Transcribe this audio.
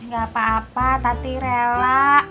gak apa apa tapi rela